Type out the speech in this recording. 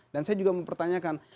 dan saya juga mempertanyakan